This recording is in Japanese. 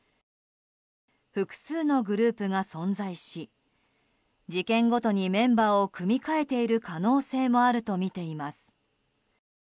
複数のグループが存在し事件ごとにメンバーを組み替えている可能性もあるとみています。